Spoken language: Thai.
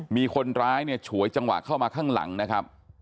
มีคนร้ายเนี่ยฉวยจังหวะเข้ามาข้างหลังนะครับ